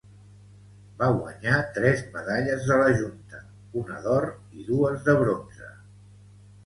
Va guanyar tres medalles de la Junta, una d'or i dues de bronze.